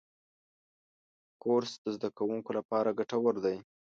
کورس د زدهکوونکو لپاره ګټور دی.